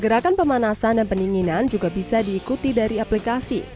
gerakan pemanasan dan pendinginan juga bisa diikuti dari aplikasi